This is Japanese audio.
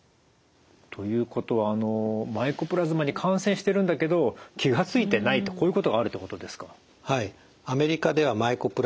ということはマイコプラズマに感染してるんだけど気が付いてないとこういうことがあるってことですか？